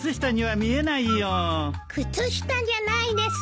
靴下じゃないです。